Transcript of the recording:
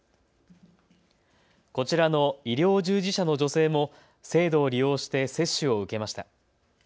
こちらの医療従事者の女性も制度を利用して接種を受けました。